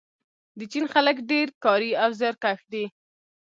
د چین خلک ډیر کاري او زیارکښ دي.